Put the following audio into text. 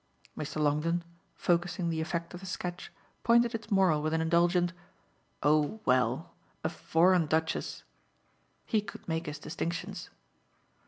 Mr. Longdon, focussing the effect of the sketch, pointed its moral with an indulgent: "Oh well, a FOREIGN duchess!" He could make his distinctions.